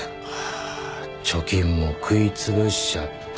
あ貯金も食い潰しちゃって。